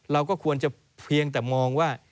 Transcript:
เราก็ควรจะเพียงแต่มองว่า